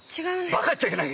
馬鹿言っちゃいけない！